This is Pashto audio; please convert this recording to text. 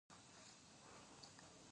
لومړۍ پوښتنه دا ده چې سیاست څه شی دی؟